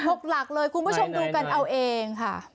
ผมออกลักเลยกูผู้ชมดูกันเอาเองค่ะ